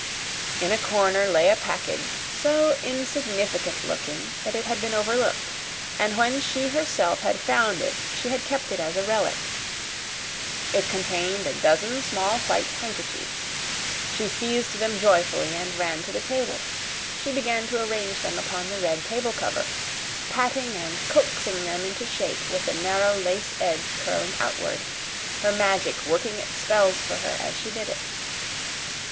In a corner lay a package so insignificant looking that it had been overlooked, and when she herself had found it she had kept it as a relic. It contained a dozen small white handkerchiefs. She seized them joyfully and ran to the table. She began to arrange them upon the red table cover, patting and coaxing them into shape with the narrow lace edge curling outward, her Magic working its spells for her as she did it.